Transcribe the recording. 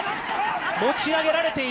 持ち上げられている。